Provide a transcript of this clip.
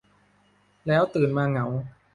แล้วตื่นมาเหงา